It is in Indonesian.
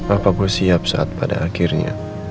apakah gue siap saat pada akhirnya